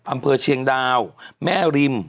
อำเภอเชียงดาวแม่ริม